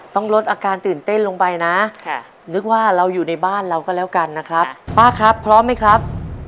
ต้องลดอาการตื่นเต้นลงไปนะค่ะนึกว่าเราอยู่ในบ้านเราก็แล้วกันนะครับ